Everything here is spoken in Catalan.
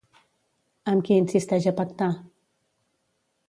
Amb qui insisteix a pactar?